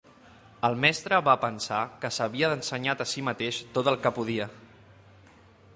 El mestre va pensar que s'havia ensenyat a si mateix tot el que podia.